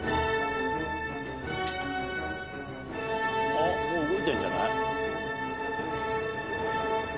あっもう動いてるんじゃない？